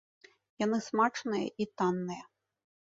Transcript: Яны смачныя і танныя.